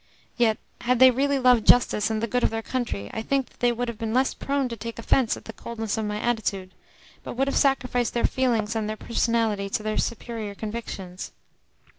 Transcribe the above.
Yet, had they really loved justice and the good of their country, I think that they would have been less prone to take offence at the coldness of my attitude, but would have sacrificed their feelings and their personality to their superior convictions.